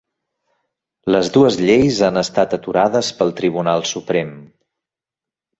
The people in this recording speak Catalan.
Les dues lleis han estat aturades pel Tribunal Suprem